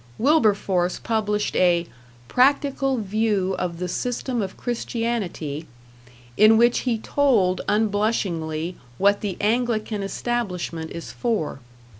Wilberforce published a "Practical View of the System of Christianity", in which he told unblushingly what the Anglican establishment is for.